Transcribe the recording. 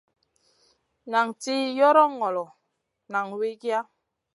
Nan tih yoron ŋolo, nan wikiya.